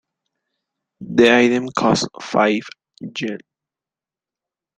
The item costs five Yen.